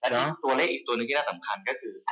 อันนี้ตัวเลขอีกตัวหนึ่งที่น่าสำคัญก็คือ